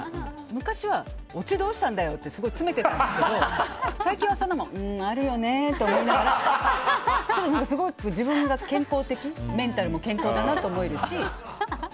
昔は、オチどうしたんだよ！ってすごい詰めてたんですけど最近はうん、あるよねと思いながらすごく自分が健康的メンタルも健康だなって思えるし。